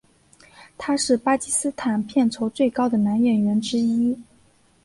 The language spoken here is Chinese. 他是巴基斯坦片酬最高的男演员之一。